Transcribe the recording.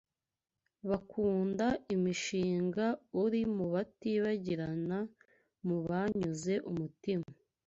bakunda imishinga; uri mutibagirana mu banyuze umutima